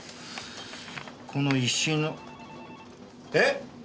この石のえっ！？